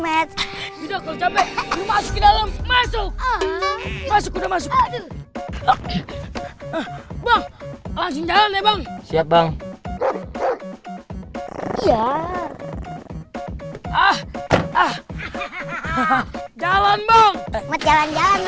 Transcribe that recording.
met jalan jalan dulu